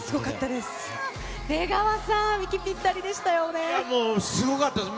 出川さん、息ぴったりでしたもうすごかったです。